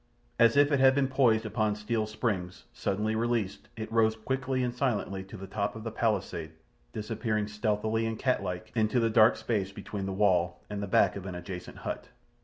As if it had been poised upon steel springs, suddenly released, it rose quickly and silently to the top of the palisade, disappearing, stealthily and cat like, into the dark space between the wall and the back of an adjacent hut.